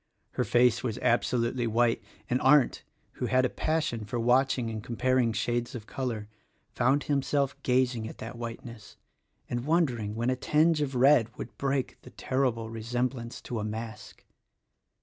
Her face was absolutely white, and Arndt — who had a passion for watching and comparing shades of color — found himself gazing at that whiteness and wondering when a tinge of red would break the terrible resemblance to a mask.